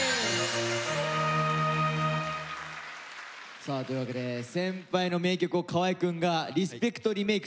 さあというわけで先輩の名曲を河合君がリスペクトリメークするコーナーですね。